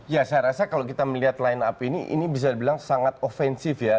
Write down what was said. ya saya rasa kalau kita melihat line up ini ini bisa dibilang sangat offensif ya